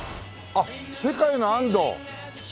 あっ世界の安藤。